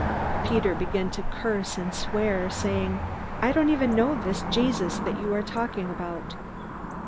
Peter began to curse and swear, saying, "I don't even know this Jesus that you are talking about!"